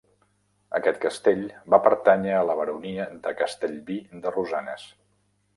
Aquest castell va pertànyer a la baronia de Castellví de Rosanes.